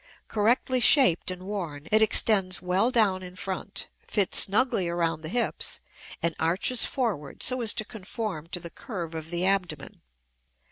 Correctly shaped and worn, it extends well down in front, fits snugly around the hips, and arches forward so as to conform to the curve of the abdomen.